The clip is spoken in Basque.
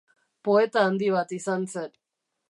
Poeta handi bat izan zen.